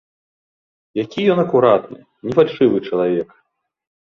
Які ён акуратны, не фальшывы чалавек!